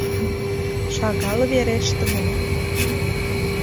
Шагал вереште мо?..